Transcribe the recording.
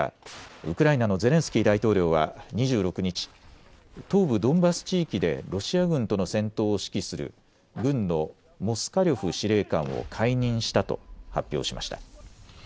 ウクライナのゼレンスキー大統領は２６日東部ドンバス地域でロシア軍との戦闘を指揮する軍のモスカリョフ司令官を解任したと発表しました。